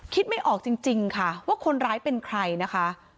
ไม่ออกจริงค่ะว่าคนร้ายเป็นใครนะคะ